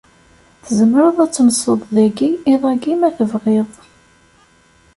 Tzemreḍ ad tenseḍ dagi iḍ-agi ma tebɣiḍ.